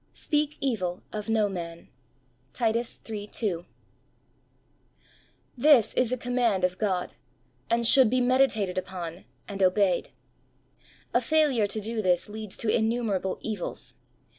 Speak evil of no manl^ — Titus iii. 2. T his is a command of God, and should be meditated upon and obeyed. A failure to do this leads to innumerable evils.